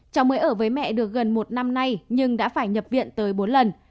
cháu mới ở với mẹ được gần một năm nay nhưng đã phải nhập viện tới bốn lần